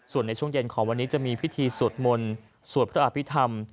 ส่วนในช่วงเย็นของวันนี้จะมีพิธีสวดมนต์สวดพระอภิษฐรรม